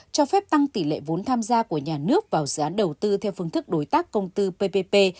cho phép tăng tỷ lệ vốn tham gia của nhà nước vào dự án đầu tư theo phương thức đối tác công tư ppp